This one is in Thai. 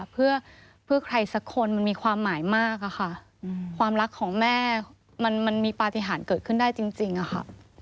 เพื่อใครสักคนมันมีความหมายมากอะค่ะความรักของแม่มันมีปฏิหารเกิดขึ้นได้จริงค่ะ